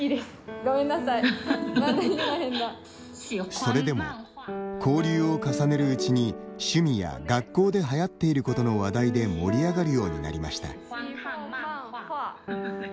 それでも、交流を重ねるうちに趣味や学校ではやっていることの話題で盛り上がるようになりました。